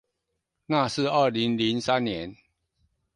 那是二零零三年